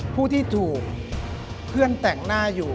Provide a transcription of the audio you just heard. ผู้ที่ถูกเพื่อนแต่งหน้าอยู่